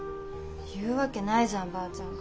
言うわけないじゃんばあちゃんが。